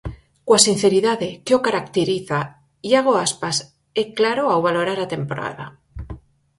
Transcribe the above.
Coa sinceridade que o caracteriza, Iago Aspas é claro ao valorar a temporada.